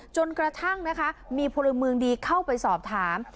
จนกระทั่งนะคะมีพลเมืองดีเข้าไปสอบถาม